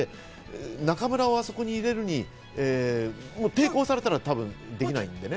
中村をあそこに入れるのに抵抗されたらできないんでね。